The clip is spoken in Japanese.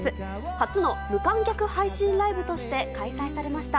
初の無観客配信ライブとして開催されました。